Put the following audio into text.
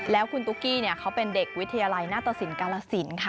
แล้วคุณตุ๊กกี้เขาเป็นเด็กวิทยาลัยหน้าตสินกาลสินค่ะ